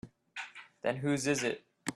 Then whose is it?